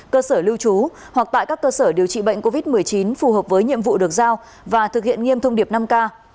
cơ sở lưu trú hoặc tại các cơ sở điều trị bệnh covid một mươi chín phù hợp với nhiệm vụ được giao và thực hiện nghiêm thông điệp năm k